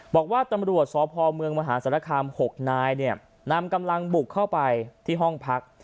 บอกว่าตำรวจสพเมืองมหาศาลคาม๖นายเนี่ยนำกำลังบุกเข้าไปที่ห้องพัก